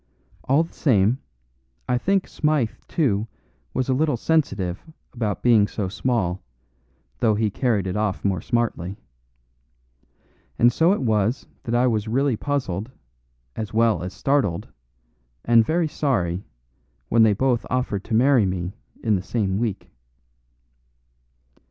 All the same, I think Smythe, too, was a little sensitive about being so small, though he carried it off more smartly. And so it was that I was really puzzled, as well as startled, and very sorry, when they both offered to marry me in the same week.